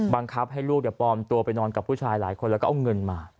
บังคับให้ลูกปลอมตัวไปนอนกับผู้ชายหลายคนแล้วก็เอาเงินมา